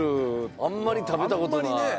あんまり食べた事ない。